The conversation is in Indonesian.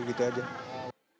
jangan terganggu gitu aja